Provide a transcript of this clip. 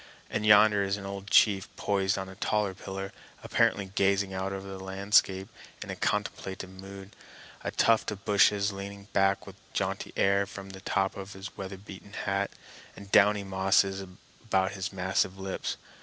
And yonder is an old chief poised on a taller pillar, apparently gazing out over the landscape in contemplative mood, a tuft of bushes leaning back with a jaunty air from the top of his weatherbeaten hat, and downy mosses about his massive lips.